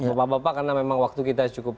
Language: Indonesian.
bapak bapak karena memang waktu kita cukup